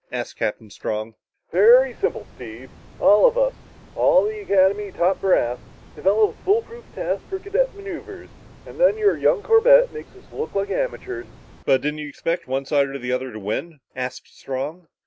asked Captain Strong. "Very simple, Steve. All of us all the Academy top brass develop a foolproof test for cadet maneuvers. And then your young Corbett makes us look like amateurs." "But didn't you expect one side or the other to win?" asked Strong.